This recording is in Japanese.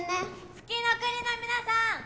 ・月ノ国の皆さん！